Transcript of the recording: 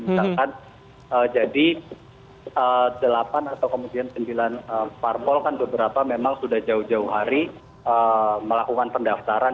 misalkan jadi delapan atau kemudian sembilan parpol kan beberapa memang sudah jauh jauh hari melakukan pendaftaran